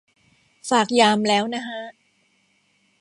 ฝากยามแล้วนะฮะ